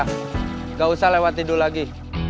tidak usah lewat tidur lagi